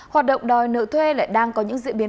hoạt động đòi nợ thuê lại đang có những diễn biến